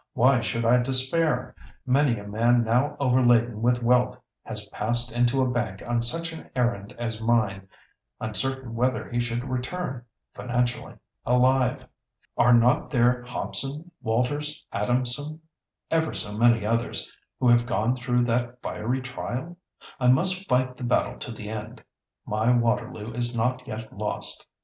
"Why should I despair? Many a man now overladen with wealth has passed into a bank on such an errand as mine, uncertain whether he should return (financially) alive. Are not there Hobson, Walters, Adamson—ever so many others—who have gone through that fiery trial? I must fight the battle to the end. My Waterloo is not yet lost.